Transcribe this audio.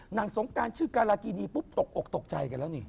สงการชื่อการากินีปุ๊บตกอกตกใจกันแล้วนี่